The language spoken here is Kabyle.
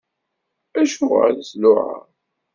Acuɣeṛ i d-tluɛaḍ?